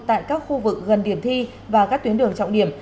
tại các khu vực gần điểm thi và các tuyến đường trọng điểm